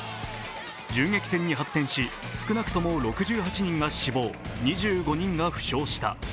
銃撃戦に発展し、少なくとも６８人が死亡、２５人が負傷した。